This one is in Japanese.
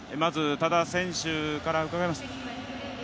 多田選手から伺います。